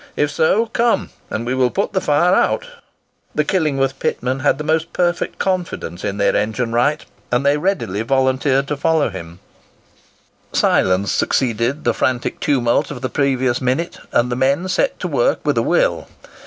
If so, come, and we will put the fire out." The Killingworth pitmen had the most perfect confidence in their engine wright, and they readily volunteered to follow him. [Picture: The Pit Head, West Moor] Silence succeeded the frantic tumult of the previous minute, and the men set to work with a will.